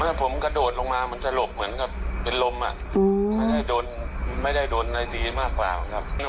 ถ้าผมกระโดดลงมามันสลบเหมือนกับเป็นลมไม่ได้โดนไม่ได้โดนอะไรตีมากกว่าครับ